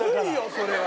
それは。